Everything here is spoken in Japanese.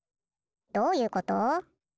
どういうこと？